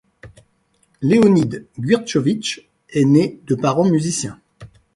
Léonid Guirchovitch est né de parents musiciens.